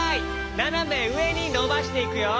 ななめうえにのばしていくよ。